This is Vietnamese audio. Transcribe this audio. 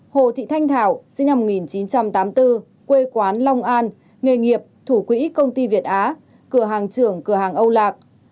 hồ thị thanh thảo sinh năm một nghìn chín trăm tám mươi bốn quê quán long an nghề nghiệp thủ quỹ công ty việt á cửa hàng trưởng cửa hàng âu lạc